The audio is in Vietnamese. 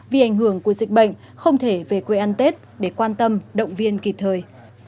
vì ảnh hưởng của dịch bệnh không thể về quê ăn tết để quan tâm động viên kịp thời